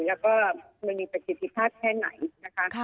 แล้วก็มันมีประสิทธิภาพแค่ไหนนะคะ